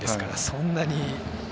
そんなに。